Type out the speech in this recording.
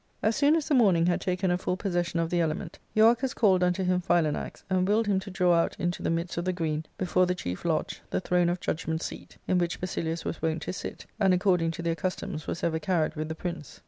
As soon as the morning had taken a full possession of the element, Euarchus called unto him Philanax, and willed him to draw out into the midst of the green, before the chief lodge, the throne of judgment seat, in which Basilius was wont to sit, and according to their customs was ever carried with the prince.